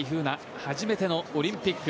初めてのオリンピック。